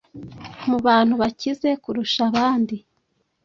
mu bantu bakize kurusha abandi